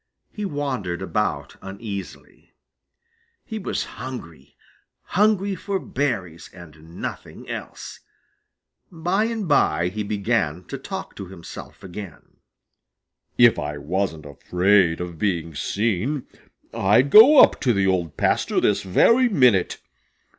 He wandered about uneasily. He was hungry hungry for berries and nothing else. By and by he began talking to himself again. "If I wasn't afraid of being seen, I'd go up to the Old Pasture this very minute.